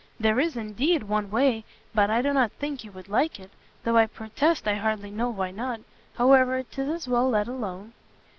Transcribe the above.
There is, indeed, one way but I do not think you would like it though I protest I hardly know why not however, 'tis as well let alone."